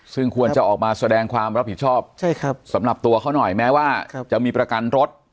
ซึ่งควรจะออกมาแสดงความรับผิดชอบสำหรับตัวเขาหน่อยแม้ว่าจะมีประกันรถ